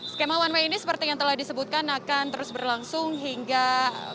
skema one way ini seperti yang telah disebutkan akan terus berlangsung hingga